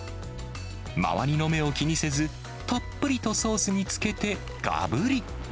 周りの目を気にせず、たっぷりとソースにつけてがぶり。